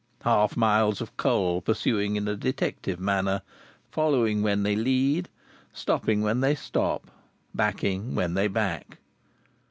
Half miles of coal pursuing in a Detective manner, following when they lead, stopping when they stop, backing when they back.